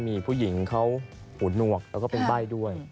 มีผู้หญิงเขาหูหนวกแล้วก็เป็นใบ้ด้วย